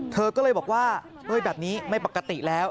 เธอก็เลยบอกว่าแบบนี้ไม่ปกติแล้ว